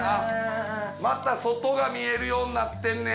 また外が見えるようになってんねや。